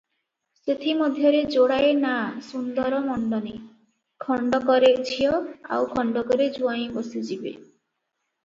ସେଥିମଧ୍ୟରେ ଯୋଡ଼ାଏ ନାଆ ସୁନ୍ଦର ମଣ୍ଡନୀ, ଖଣ୍ଡକରେ ଝିଅ, ଆଉ ଖଣ୍ଡକରେ ଜୁଆଇଁ ବସି ଯିବେ ।